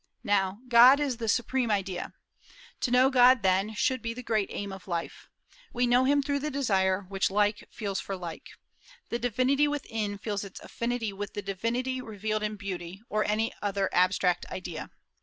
Now, God is the supreme idea. To know God, then, should be the great aim of life. We know him through the desire which like feels for like. The divinity within feels its affinity with the divinity revealed in beauty, or any other abstract idea.